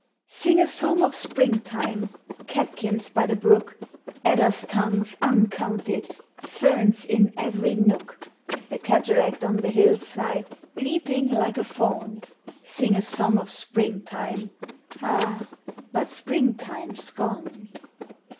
SING a song of Springtime! Catkins by the brook. Adders tongues uncounted, Perns in every nook ; The cataract on the hillside Leaping lik< 1 a fawn ; Sing a son of Spring time, Al,, but Spring time }* gone!